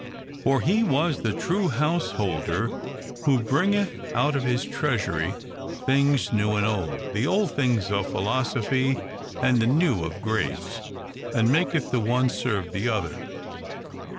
For he was the true householder, who THE COUNTRY PARSON. 53 bringeth out of his treasury things new and old, — the old things of philosophy, and the new of grace ; and maketh the one serve the other.